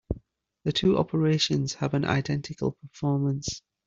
The two operations have an identical performance.